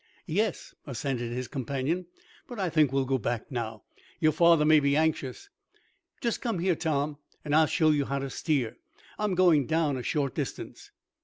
"Yes," assented his companion. "But I think we'll go back now. Your father may be anxious. Just come here, Tom, and I'll show you how to steer. I'm going down a short distance."